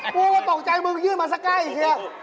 กูก็ตกใจมึงยื่นมาสักใกล้เฮีย